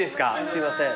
すいません。